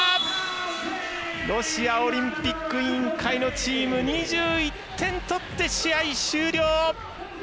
ロシアオリンピック委員会のチーム、２１点とって試合終了。